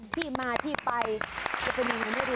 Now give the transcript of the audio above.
ที่มาที่ไปจะเป็นยังไงไม่รู้